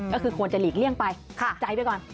ก็คือควรจะหลีกเลี่ยงไปติดใจไปก่อน